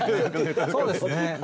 そうですね。